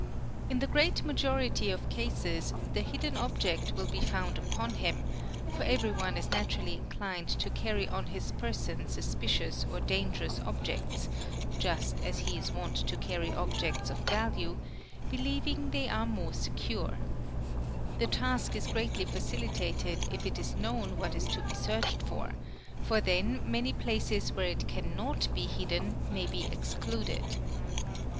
In the g majority of cases the hidden object will be found upon him, for everyor is naturally inclined to carry on his person suspicious or dangerous" objects—just as he is wont to carry objects of value—believing they ur SEARCH FOR HIDDEN OBJECTS 139 "more secure. The task is greatly facilitated if it is known what is to be searched for, for then many places where it cannot be hidden may be excluded.